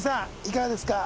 いかがですか？